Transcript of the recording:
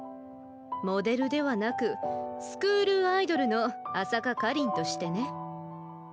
モデルではなくスクールアイドルの朝香果林としてね。